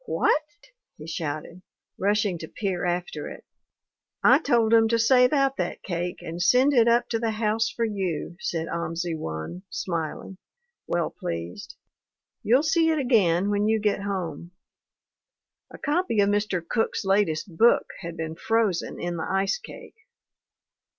" 'What !' he shouted, rushing to peer after it. " 'I told 'em to save out that cake and send it up to the house for you/ said Amzi One, smiling, well pleased. 'You'll see it again when you get home.' ' A copy of Mr. Cook's latest book had been frozen in the ice cake.